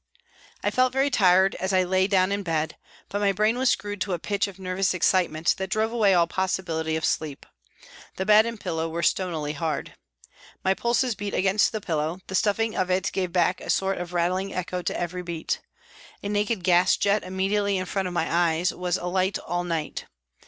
I felt very tired as I laid down in the bed, but my brain was screwed to a pitch of nervous excite ment that drove away all possibility of sleep. The bed and pillow were stonily hard. My pulses beat against the pillow ; the stuffing of it gave back a sort of rattling echo to every beat. A naked gas jet immediately in front of my eyes was alight all night.